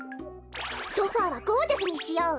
ソファーはゴージャスにしよう。